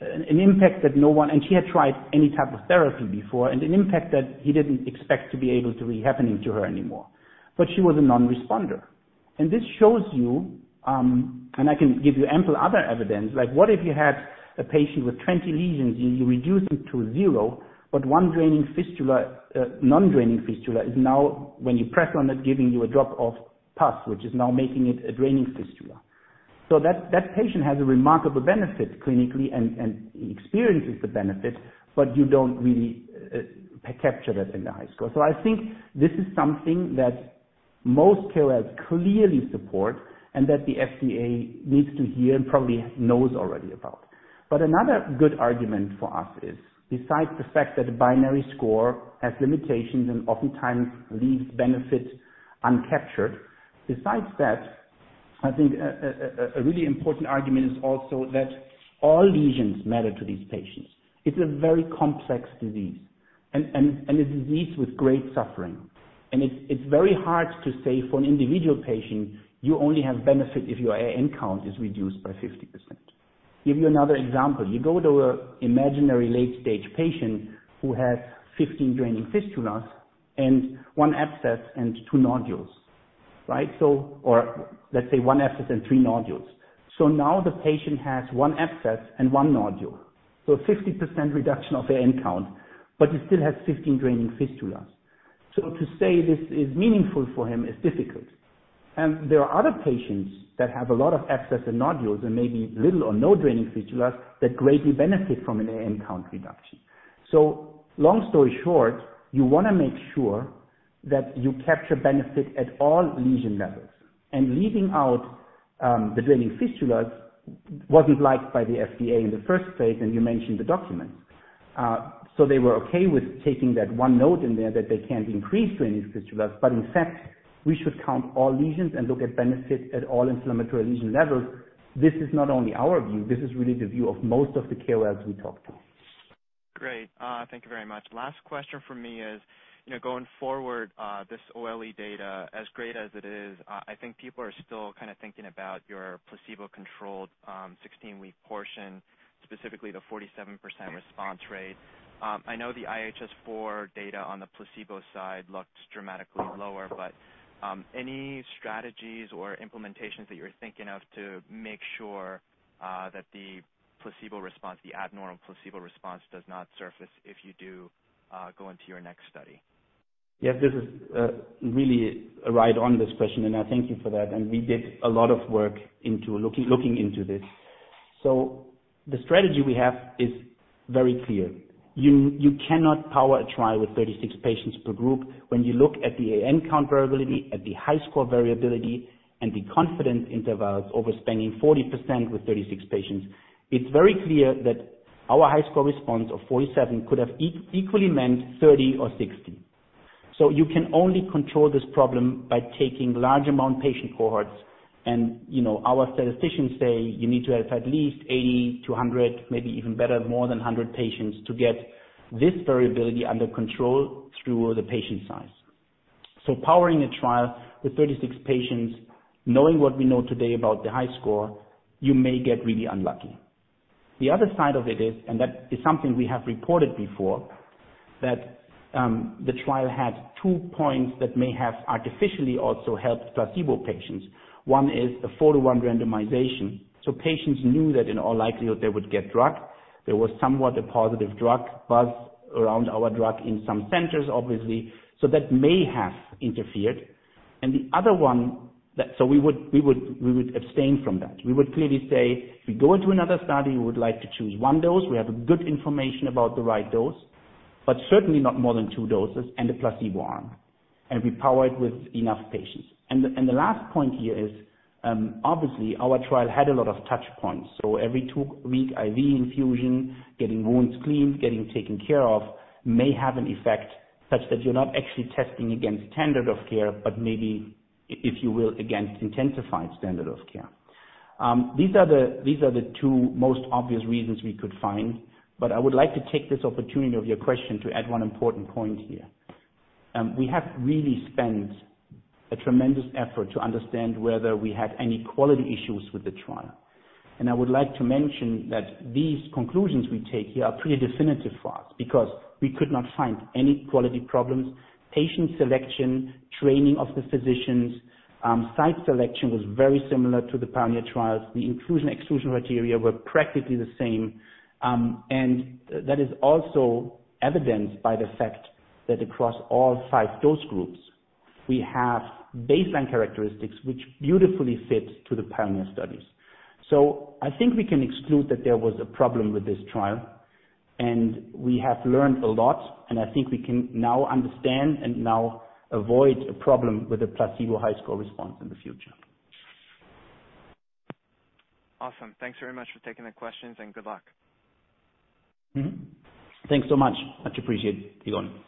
She had tried any type of therapy before, and an impact that he didn't expect to be able to be happening to her anymore. She was a non-responder. This shows you, I can give you ample other evidence, like what if you had a patient with 20 lesions and you reduce it to zero, but one draining fistula, non-draining fistula, is now when you press on it, giving you a drop of pus, which is now making it a draining fistula. That patient has a remarkable benefit clinically and experiences the benefit, but you don't really capture that in the HiSCR. I think this is something that most KOLs clearly support and that the FDA needs to hear and probably knows already about. Another good argument for us is, besides the fact that a binary score has limitations and oftentimes leaves benefit uncaptured, besides that, I think a really important argument is also that all lesions matter to these patients. It's a very complex disease and a disease with great suffering. It's very hard to say for an individual patient, you only have benefit if your AN count is reduced by 50%. Give you another example. You go to an imaginary late-stage patient who has 15 draining fistulas and one abscess and two nodules. Right? Let's say one abscess and three nodules. Now the patient has one abscess and one nodule. 50% reduction of AN count, but he still has 15 draining fistulas. To say this is meaningful for him is difficult. There are other patients that have a lot of abscess and nodules and maybe little or no draining fistulas that greatly benefit from an AN count reduction. Long story short, you want to make sure that you capture benefit at all lesion levels. Leaving out the draining fistulas wasn't liked by the FDA in the first place, and you mentioned the documents. They were okay with taking that one note in there that they can't increase to any fistulas, but in fact, we should count all lesions and look at benefit at all inflammatory lesion levels. This is not only our view, this is really the view of most of the KOLs we talk to. Great. Thank you very much. Last question from me is, going forward, this OLE data, as great as it is, I think people are still kind of thinking about your placebo-controlled 16-week portion, specifically the 47% response rate. I know the IHS4 data on the placebo side looks dramatically lower, but any strategies or implementations that you're thinking of to make sure that the placebo response, the abnormal placebo response, does not surface if you do go into your next study? Yeah, this is really right on, this question, and I thank you for that. We did a lot of work looking into this. The strategy we have is very clear. You cannot power a trial with 36 patients per group. When you look at the AN count variability, at the HiSCR variability, and the confidence intervals over spanning 40% with 36 patients, it's very clear that our HiSCR response of 47 could have equally meant 30 or 60. You can only control this problem by taking large amount patient cohorts and our statisticians say you need to have at least 80-100, maybe even better, more than 100 patients to get this variability under control through the patient size. Powering a trial with 36 patients, knowing what we know today about the HiSCR, you may get really unlucky. The other side of it is, that is something we have reported before, that the trial had two points that may have artificially also helped placebo patients. One is a four-one randomization, patients knew that in all likelihood they would get drug. There was somewhat a positive drug buzz around our drug in some centers, obviously. That may have interfered. We would abstain from that. We would clearly say, if we go into another study, we would like to choose one dose. We have good information about the right dose, certainly not more than two doses and a placebo arm, be powered with enough patients. The last point here is, obviously, our trial had a lot of touch points, so every two-week IV infusion, getting wounds cleaned, getting taken care of may have an effect such that you're not actually testing against standard of care, but maybe, if you will, against intensified standard of care. These are the two most obvious reasons we could find, but I would like to take this opportunity of your question to add one important point here. We have really spent a tremendous effort to understand whether we had any quality issues with the trial. I would like to mention that these conclusions we take here are pretty definitive for us because we could not find any quality problems, patient selection, training of the physicians. Site selection was very similar to the PIONEER trials. The inclusion, exclusion criteria were practically the same. That is also evidenced by the fact that across all five dose groups, we have baseline characteristics which beautifully fit to the PIONEER studies. I think we can exclude that there was a problem with this trial, and we have learned a lot, and I think we can now understand and now avoid a problem with a placebo HiSCR response in the future. Awesome. Thanks very much for taking the questions. Good luck. Thanks so much. Much appreciated, Dae Gon.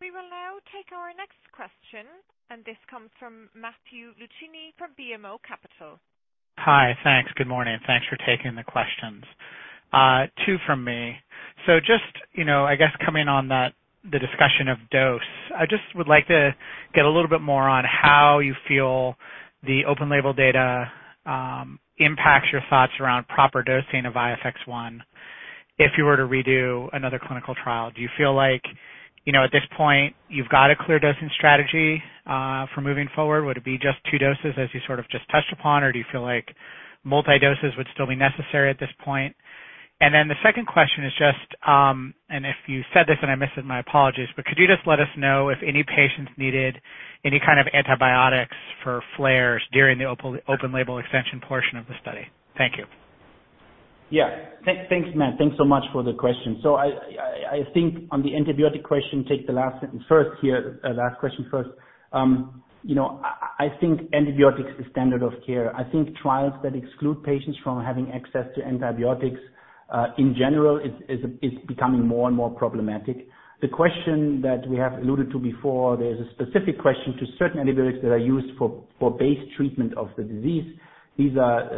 We will now take our next question. This comes from Matthew Luchini from BMO Capital. Hi. Thanks. Good morning. Thanks for taking the questions. Two from me. Coming on the discussion of dose, I would like to get a little bit more on how you feel the open label data impacts your thoughts around proper dosing of IFX-1 if you were to redo another clinical trial. Do you feel like, at this point, you've got a clear dosing strategy for moving forward? Would it be two doses as you touched upon, or do you feel like multi doses would still be necessary at this point? The second question is, if you said this and I missed it, my apologies, could you let us know if any patients needed any kind of antibiotics for flares during the open label extension portion of the study? Thank you. Thanks, Matt. Thanks so much for the question. I think on the antibiotic question, take the last sentence first here, last question first. I think antibiotics is standard of care. I think trials that exclude patients from having access to antibiotics, in general, is becoming more and more problematic. The question that we have alluded to before, there's a specific question to certain antibiotics that are used for base treatment of the disease. These are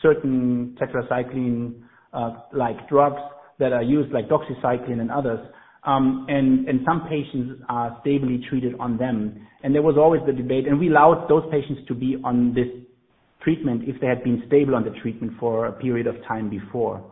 certain tetracycline-like drugs that are used like doxycycline and others. Some patients are stably treated on them. There was always the debate, and we allowed those patients to be on this treatment if they had been stable on the treatment for a period of time before.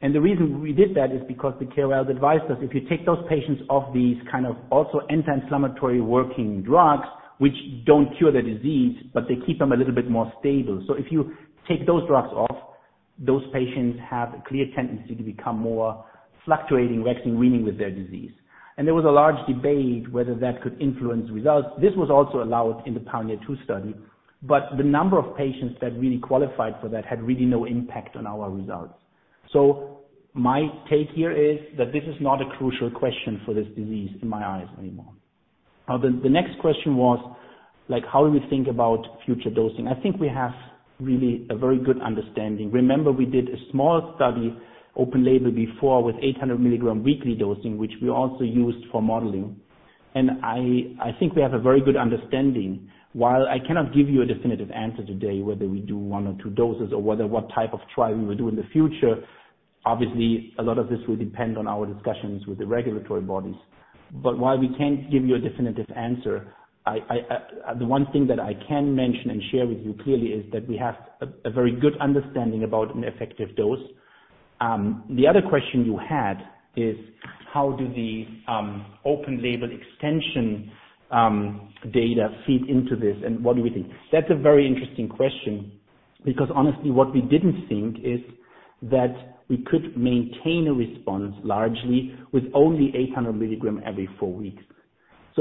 The reason we did that is because the KOLs advised us, if you take those patients off these kind of also anti-inflammatory working drugs, which don't cure the disease, but they keep them a little bit more stable. If you take those drugs off, those patients have a clear tendency to become more fluctuating, waxing and waning with their disease. There was a large debate whether that could influence results. This was also allowed in the PIONEER II study, but the number of patients that really qualified for that had really no impact on our results. My take here is that this is not a crucial question for this disease in my eyes anymore. The next question was, how do we think about future dosing? I think we have really a very good understanding. Remember, we did a small study open-label before with 800 mg weekly dosing, which we also used for modeling. I think we have a very good understanding. While I cannot give you a definitive answer today, whether we do one or two doses or what type of trial we will do in the future, obviously, a lot of this will depend on our discussions with the regulatory bodies. While we can't give you a definitive answer, the one thing that I can mention and share with you clearly is that we have a very good understanding about an effective dose. The other question you had is how does the open-label extension data feed into this, and what do we think? That's a very interesting question, because honestly, what we didn't think is that we could maintain a response largely with only 800 mg every four weeks.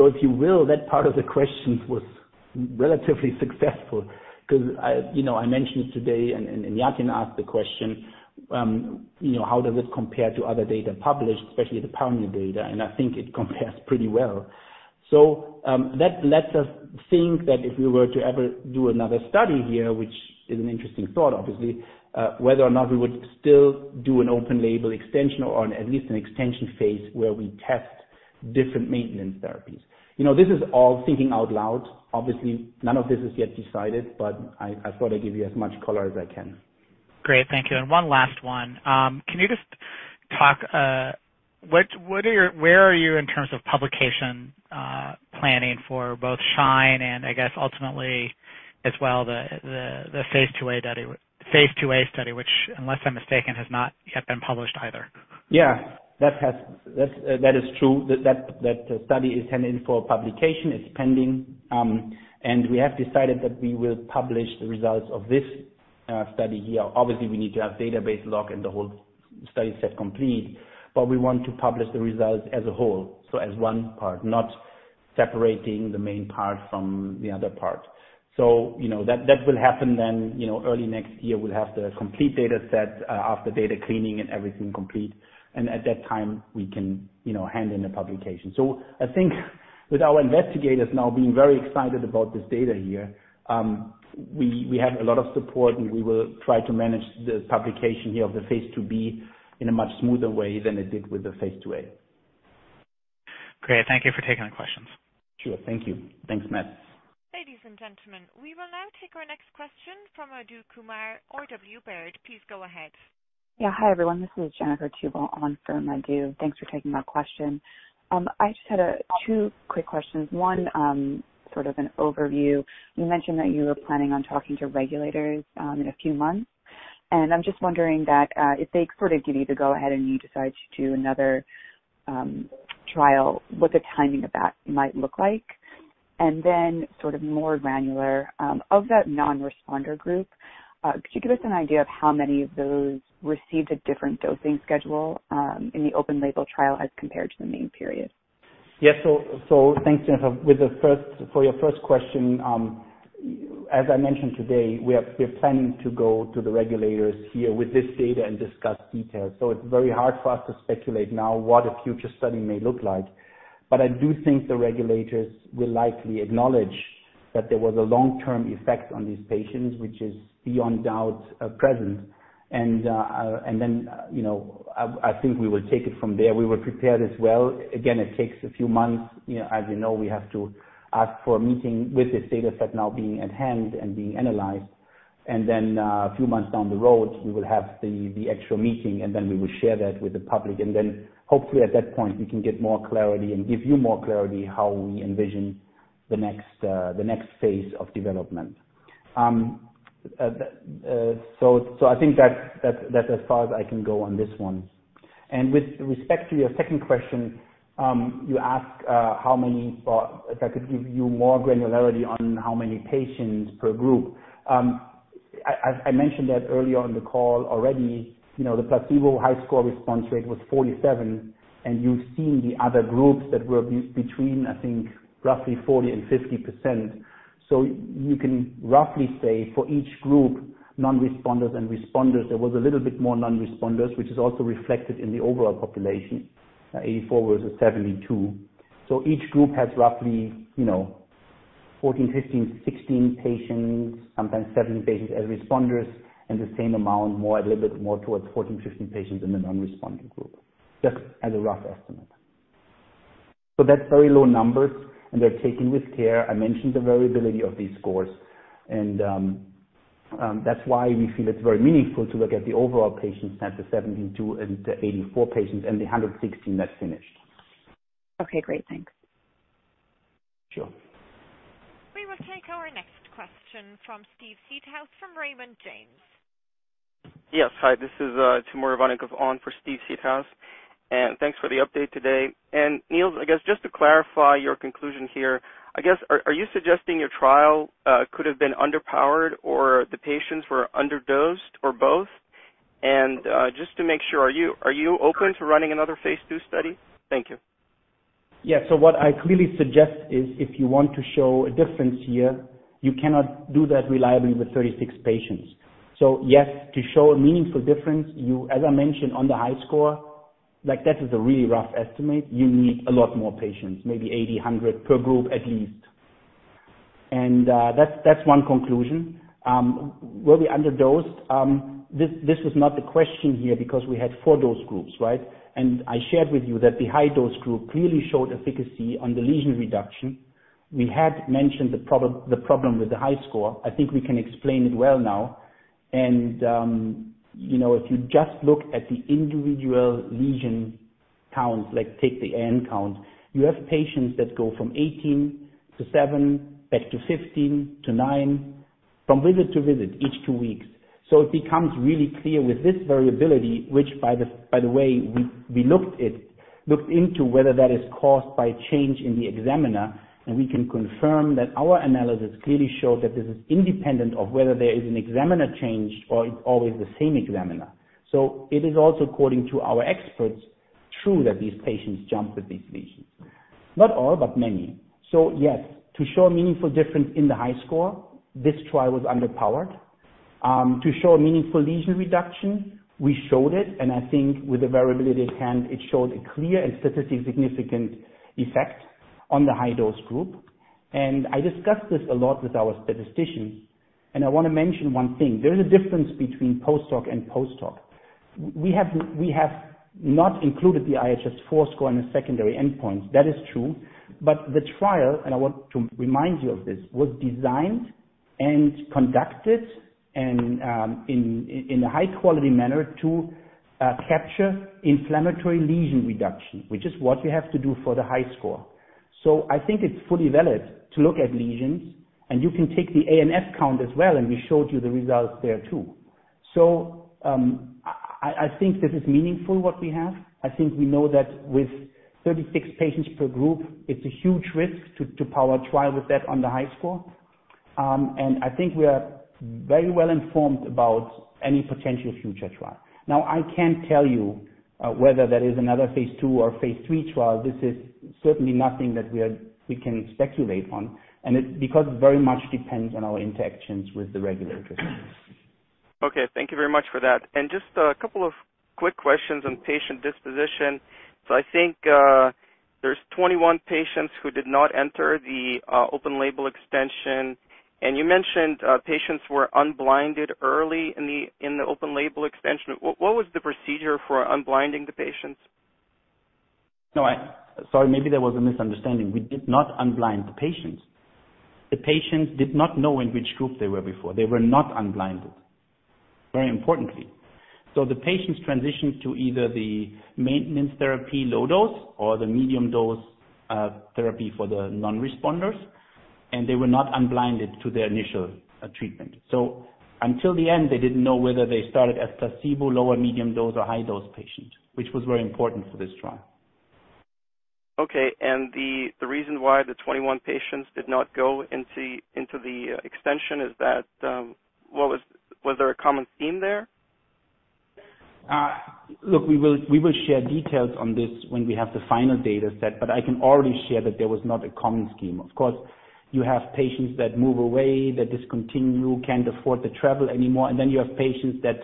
If you will, that part of the questions was relatively successful because I mentioned today, and Yatin asked the question, how does this compare to other data published, especially the primary data, and I think it compares pretty well. That lets us think that if we were to ever do another study here, which is an interesting thought, obviously, whether or not we would still do an open-label extension or at least an extension phase where we test different maintenance therapies. This is all thinking out loud. Obviously, none of this is yet decided, but I thought I'd give you as much color as I can. Great. Thank you. One last one. Can you just talk, where are you in terms of publication planning for both SHINE and I guess ultimately as well, the phase II-A study, which, unless I'm mistaken, has not yet been published either? Yeah. That is true. That study is heading for publication. It's pending. We have decided that we will publish the results of this study here. Obviously, we need to have database lock and the whole study set complete, but we want to publish the results as a whole, so as one part, not separating the main part from the other part. That will happen then, early next year, we'll have the complete data set after data cleaning and everything complete. At that time, we can hand in the publication. I think with our investigators now being very excited about this data here, we have a lot of support, and we will try to manage the publication here of the phase II-B in a much smoother way than it did with the phase II-A. Great. Thank you for taking the questions. Sure. Thank you. Thanks, Matt. Ladies and gentlemen, we will now take our next question from [inaudible] Kumar or W.R. Hambrecht. Please go ahead. Hi, everyone. This is Jennifer Hambrecht on for. [inaudible] Thanks for taking my question. I just had two quick questions. One, sort of an overview. You mentioned that you were planning on talking to regulators in a few months, and I'm just wondering that if they sort of give you the go-ahead and you decide to do another trial, what the timing of that might look like? Sort of more granular, of that non-responder group, could you give us an idea of how many of those received a different dosing schedule in the open-label trial as compared to the main period? Thanks, Jennifer. For your first question, as I mentioned today, we're planning to go to the regulators here with this data and discuss details. It's very hard for us to speculate now what a future study may look like. I do think the regulators will likely acknowledge that there was a long-term effect on these patients, which is beyond doubt present. I think we will take it from there. We were prepared as well. Again, it takes a few months. As you know, we have to ask for a meeting with this data set now being at hand and being analyzed. A few months down the road, we will have the actual meeting, we will share that with the public. Hopefully at that point, we can get more clarity and give you more clarity how we envision the next phase of development. I think that's as far as I can go on this one. With respect to your second question, you ask if I could give you more granularity on how many patients per group. I mentioned that earlier on the call already, the placebo HiSCR response rate was 47, and you've seen the other groups that were between, I think, roughly 40% and 50%. You can roughly say for each group, non-responders and responders, there was a little bit more non-responders, which is also reflected in the overall population, 84 versus 72. Each group has roughly, 14, 15, 16 patients, sometimes 17 patients as responders, and the same amount, a little bit more towards 14, 15 patients in the non-responding group, just as a rough estimate. So that's very low number, and they're taken with care. I mentioned the variability of these scores, and that's why we feel it's very meaningful to look at the overall patient set, the 72 and the 84 patients and the 116 that finished. Okay, great. Thanks. Sure. We will take our next question from Steve Seedhouse from Raymond James. Yes. Hi, this is Timur Ivannikov on for Steve Seedhouse. Thanks for the update today. Niels, I guess just to clarify your conclusion here, I guess, are you suggesting your trial could have been underpowered or the patients were underdosed or both? Just to make sure, are you open to running another phase II study? Thank you. What I clearly suggest is if you want to show a difference here, you cannot do that reliably with 36 patients. Yes, to show a meaningful difference, as I mentioned on the HiSCR, that is a really rough estimate. You need a lot more patients, maybe 80, 100 per group at least. That's one conclusion. Were we underdosed? This was not the question here because we had four dose groups, right? I shared with you that the high dose group clearly showed efficacy on the lesion reduction. We had mentioned the problem with the HiSCR. I think we can explain it well now. If you just look at the individual lesion counts, take the AN count, you have patients that go from 18-7, back to 15-9, from visit to visit, each two weeks. It becomes really clear with this variability, which by the way, we looked into whether that is caused by change in the examiner, and we can confirm that our analysis clearly showed that this is independent of whether there is an examiner change or it's always the same examiner. It is also according to our experts, true that these patients jump with these lesions. Not all, but many. Yes, to show a meaningful difference in the HiSCR, this trial was underpowered. To show a meaningful lesion reduction, we showed it, and I think with the variability at hand, it showed a clear and statistically significant effect on the high dose group. I discussed this a lot with our statistician, and I want to mention one thing. There is a difference between post-hoc and post-hoc. We have not included the IHS4 score in the secondary endpoint. That is true. The trial, and I want to remind you of this, was designed and conducted in a high-quality manner to capture inflammatory lesion reduction, which is what you have to do for the HiSCR. I think it's fully valid to look at lesions, and you can take the AN count as well, and we showed you the results there too. I think this is meaningful what we have. I think we know that with 36 patients per group, it's a huge risk to power a trial with that on the HiSCR. I think we are very well-informed about any potential future trial. Now, I can't tell you whether there is another phase II or phase III trial. This is certainly nothing that we can speculate on. It's because it very much depends on our interactions with the regulators. Okay. Thank you very much for that. Just a couple of quick questions on patient disposition. I think, there's 21 patients who did not enter the open label extension, and you mentioned patients were unblinded early in the open label extension. What was the procedure for unblinding the patients? No, sorry. Maybe there was a misunderstanding. We did not unblind the patients. The patients did not know in which group they were before. They were not unblinded, very importantly. The patients transitioned to either the maintenance therapy low dose or the medium dose therapy for the non-responders, and they were not unblinded to their initial treatment. Until the end, they didn't know whether they started as placebo, low or medium dose, or high dose patient, which was very important for this trial. Okay. The reason why the 21 patients did not go into the extension, was there a common theme there? Look, we will share details on this when we have the final data set, but I can already share that there was not a common scheme. Of course, you have patients that move away, that discontinue, can't afford to travel anymore, and then you have patients that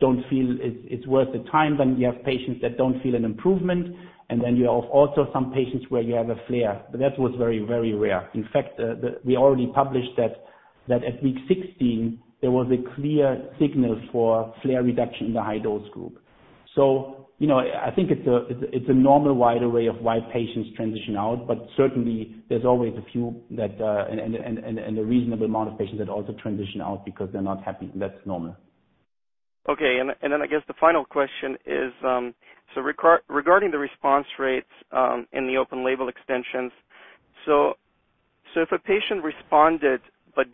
don't feel it's worth the time. You have patients that don't feel an improvement, and then you have also some patients where you have a flare. That was very, very rare. In fact, we already published that at week 16, there was a clear signal for flare reduction in the high dose group. I think it's a normal, wider way of why patients transition out. Certainly, there's always a few and a reasonable amount of patients that also transition out because they're not happy, and that's normal. Okay. I guess the final question is, regarding the response rates in the open label extensions. If a patient responded but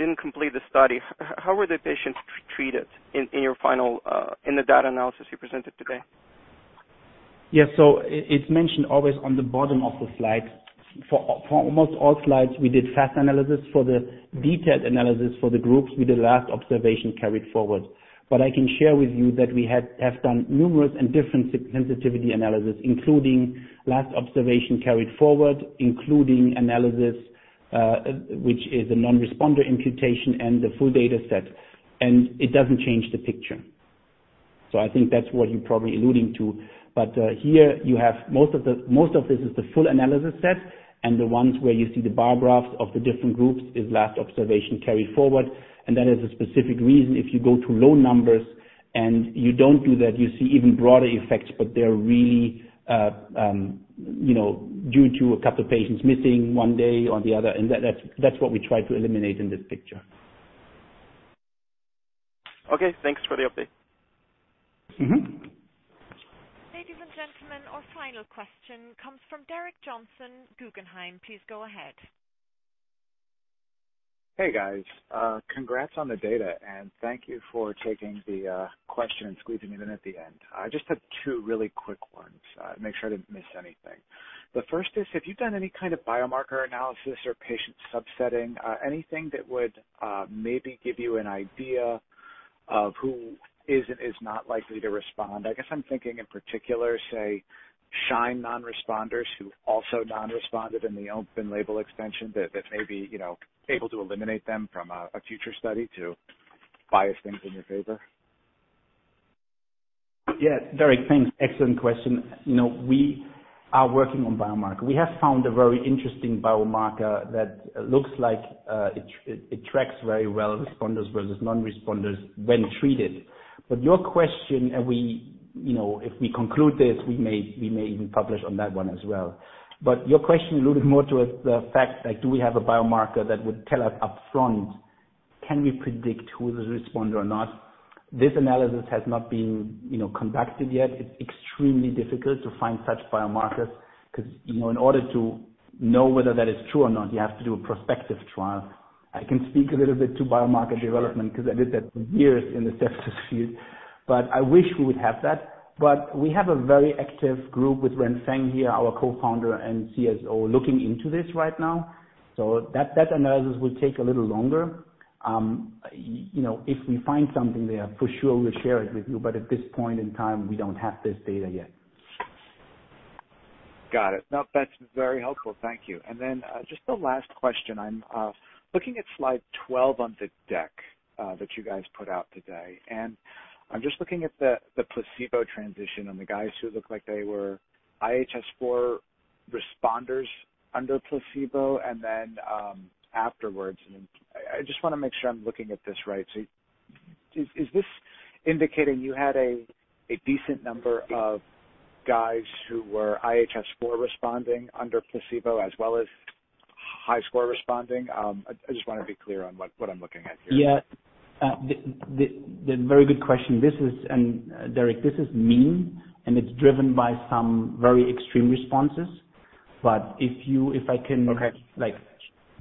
didn't complete the study, how were the patients treated in the data analysis you presented today? Yeah. It's mentioned always on the bottom of the slide. For almost all slides, we did fast analysis. For the detailed analysis for the groups, we did last observation carried forward. I can share with you that we have done numerous and different sensitivity analysis, including last observation carried forward, including analysis, which is a non-responder imputation and the full data set, and it doesn't change the picture. I think that's what you're probably alluding to. Here, you have most of this is the full analysis set, and the ones where you see the bar graphs of the different groups is last observation carried forward, and that is a specific reason if you go to low numbers and you don't do that, you see even broader effects, but they're really due to a couple of patients missing one day or the other, and that's what we try to eliminate in this picture. Okay, thanks for the update. Ladies and gentlemen, our final question comes from Derek Johnson, Guggenheim. Please go ahead. Hey, guys. Congrats on the data. Thank you for taking the question and squeezing me in at the end. I just have two really quick ones. Make sure I didn't miss anything. The first is, have you done any kind of biomarker analysis or patient subsetting, anything that would maybe give you an idea of who is and is not likely to respond. I guess I'm thinking in particular, say, SHINE non-responders who also non-responded in the open label extension that maybe able to eliminate them from a future study to bias things in your favor. Yeah, Derek, thanks. Excellent question. We are working on a biomarker. We have found a very interesting biomarker that looks like it tracks very well responders versus non-responders when treated. Your question, and if we conclude this, we may even publish on that one as well. Your question alluded more towards the fact that do we have a biomarker that would tell us upfront? Can we predict who the responder or not? This analysis has not been conducted yet. It's extremely difficult to find such biomarkers because, in order to know whether that is true or not, you have to do a prospective trial. I can speak a little bit to biomarker development because I did that for years in the sepsis field. I wish we would have that, but we have a very active group with Renfeng Guo here, our co-founder and CSO, looking into this right now. That analysis will take a little longer. If we find something there, for sure we'll share it with you, but at this point in time, we don't have this data yet. Got it. No, that's very helpful. Thank you. Just the last question, I'm looking at slide 12 on the deck that you guys put out today, and I'm just looking at the placebo transition and the guys who look like they were IHS4 responders under placebo and then afterwards. I just want to make sure I'm looking at this right. Is this indicating you had a decent number of guys who were IHS4 responding under placebo as well as HiSCR responding? I just want to be clear on what I'm looking at here. Yeah. Very good question. Derek, this is mean, and it's driven by some very extreme responses.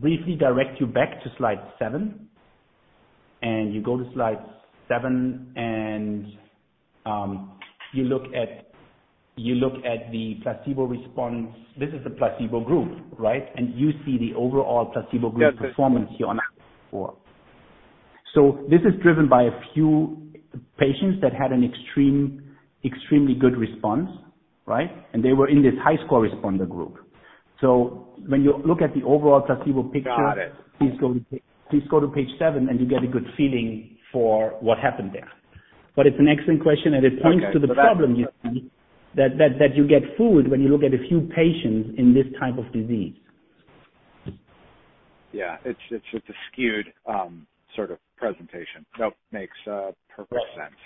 Briefly direct you back to slide seven. You go to slide seven and you look at the placebo response. This is the placebo group, right? You see the overall placebo group performance here on four. This is driven by a few patients that had an extremely good response, right? They were in this high score responder group. When you look at the overall placebo picture. Got it. Please go to page seven, and you get a good feeling for what happened there. It's an excellent question, and it points to the problem you see that you get fooled when you look at a few patients in this type of disease. Yeah. It's a skewed sort of presentation. Makes perfect sense.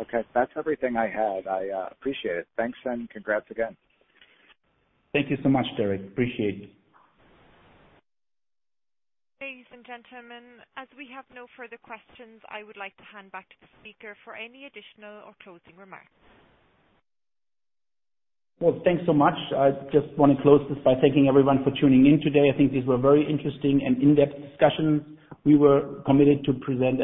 Okay. That's everything I had. I appreciate it. Thanks and congrats again. Thank you so much, Derek. Appreciate it. Ladies and gentlemen, as we have no further questions, I would like to hand back to the speaker for any additional or closing remarks. Thanks so much. I just want to close this by thanking everyone for tuning in today. I think these were very interesting and in-depth discussions. We were committed to present.